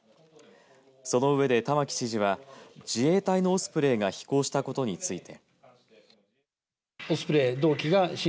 その上で玉城知事は自衛隊のオスプレイが飛行したことについて。